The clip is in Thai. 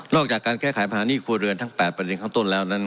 จากการแก้ไขปัญหาหนี้ครัวเรือนทั้ง๘ประเด็นข้างต้นแล้วนั้น